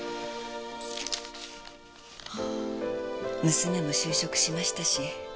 娘も就職しましたし